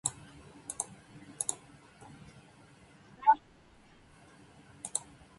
スターフルーツ